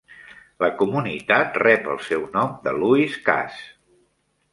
La comunitat rep el seu nom de Lewis Cass.